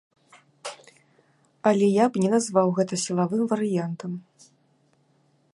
Але я б не назваў гэта сілавым варыянтам.